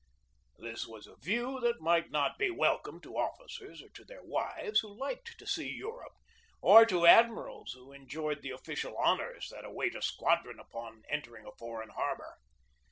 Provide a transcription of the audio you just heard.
This was a view that might not be welcome to officers or to their wives, who liked to see Europe, or to admirals who enjoyed the official honors that await a squadron upon entering a foreign harbor.